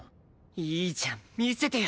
いいじゃん魅せてよ！